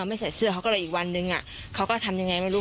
ไม่ใส่เสื้อเขาก็เลยอีกวันนึงเขาก็ทำยังไงไม่รู้